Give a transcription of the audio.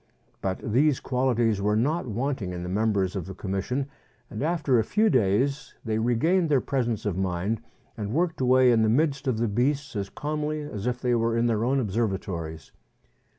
But these qualities were not wanting in the members of the Commission, and after a few days they regained their presence of mind, and worked away in the midst of the beasts as calmly as if they were in their own observatories.